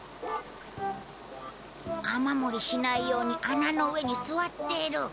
雨漏りしないように穴の上に座ってる。